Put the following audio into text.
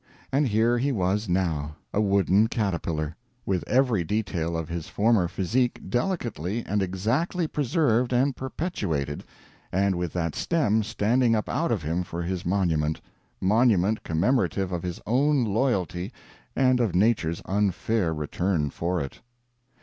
And here he was now, a wooden caterpillar, with every detail of his former physique delicately and exactly preserved and perpetuated, and with that stem standing up out of him for his monument monument commemorative of his own loyalty and of Nature's unfair return for it.